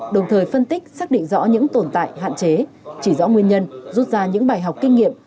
đồng thời phân tích xác định rõ những tồn tại hạn chế chỉ rõ nguyên nhân rút ra những bài học kinh nghiệm